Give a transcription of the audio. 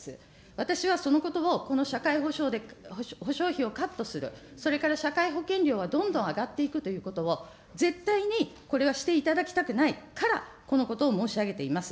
私はそのことばをこの社会保障費をカットする、それから社会保険料はどんどん上がっていくということを、絶対にこれはしていただきたくないから、このことを申し上げています。